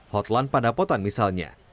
hotline pada potan misalnya